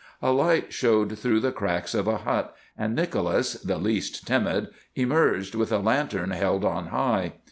A light showed through the cracks of a hut, and Nicholas, the least timid, emerged with a lantern held on high.